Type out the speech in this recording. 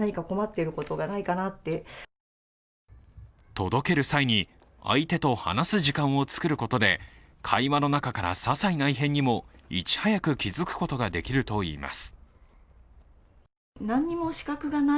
届ける際に、相手と話す時間を作ることで会話の中からささいな異変にもいち早く気づくことができるといいます。